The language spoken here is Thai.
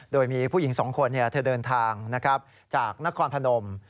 โดยมีผู้หญิง๒คนเธอเดินทางจากนครพนม